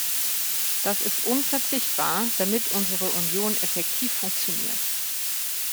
Das ist unverzichtbar, damit unsere Union effektiv funktioniert.